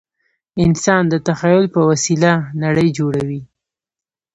انسان د تخیل په وسیله نړۍ جوړوي.